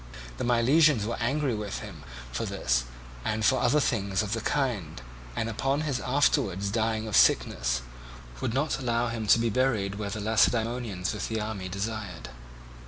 The Milesians were angry with him for this and for other things of the kind, and upon his afterwards dying of sickness, would not allow him to be buried where the Lacedaemonians with the army desired.